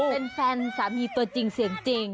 เป็นแฟนสามีตัวจริงเสียงจริง